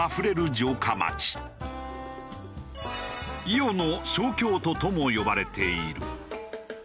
「伊予の小京都」とも呼ばれている。